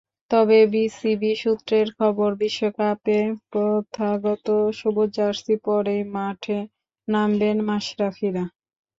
তবে বিসিবিসূত্রের খবর, বিশ্বকাপে প্রথাগত সবুজ জার্সি পরেই মাঠে নামবেন মাশরাফিরা।